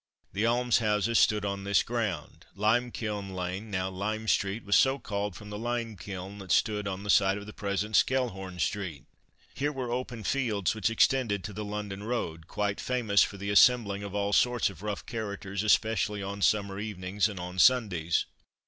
The almshouses stood on this ground. Limekiln lane, now Lime street, was so called from the limekiln that stood on the site of the present Skelhorn street. Here were open fields, which extended to the London road, quite famous for the assembling of all sorts of rough characters, especially on summer evenings, and on Sundays.